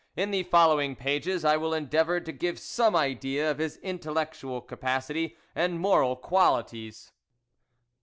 In the following pages I will endeavour to giv* some idea of his intellectual capacity and moral qualities.